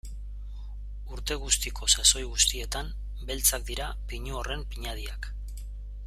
Urte guztiko sasoi guztietan beltzak dira pinu horren pinadiak.